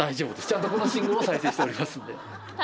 ちゃんとこの信号を再生しておりますので。